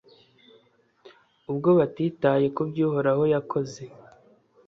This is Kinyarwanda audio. ubwo batitaye ku byo uhoraho yakoze